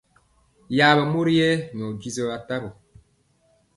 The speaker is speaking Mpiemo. Yaɓɛ mori yɛ nyɔ jisɔ atawɔ.